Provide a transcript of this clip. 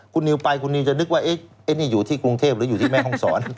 คุณนิวไปคุณนิวจะนึกว่าไอ้นี่อยู่ที่กรุงเทพหรืออยู่ที่แม่ห้องศร